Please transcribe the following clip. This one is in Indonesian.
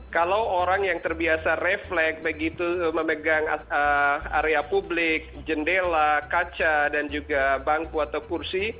kalau orang yang terbiasa refleks begitu memegang area publik jendela kaca dan juga bangku atau kursi